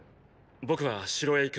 僕は城へ行く。